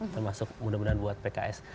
termasuk mudah mudahan buat pks